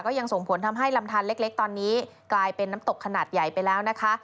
ยังส่งผลทำให้ลำทานเล็กตอนนี้กลายเป็นน้ำตกขนาดใหญ่ไปแล้วนะคะ